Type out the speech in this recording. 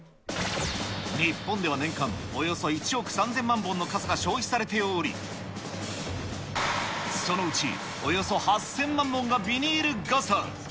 日本では年間およそ１億３０００万本の傘が消費されており、そのうちおよそ８０００万本がビニール傘。